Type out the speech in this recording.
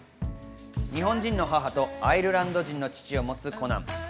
日本人の母とアイルランド人の父を持つコナン。